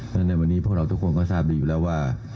และในวันนี้พวกเราทุกคนก็ทราบดีอยู่แล้วว่า